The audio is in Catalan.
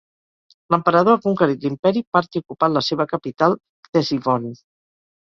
L'emperador ha conquerit l'imperi Part i ocupat la seva capital, Ctesifont.